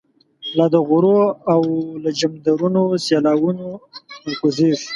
لا دغرو له جمدرونو، سیلاوونه ر ا کوزیږی